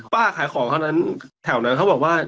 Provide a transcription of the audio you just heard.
ขายของเท่านั้นแถวนั้นเขาบอกว่า